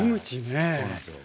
はいそうなんですよ。